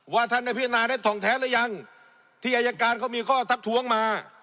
ท่านได้พิจารณาได้ทองแท้หรือยังที่อายการเขามีข้อทักท้วงมา